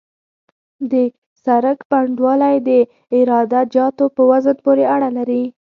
د سرک پنډوالی د عراده جاتو په وزن پورې اړه لري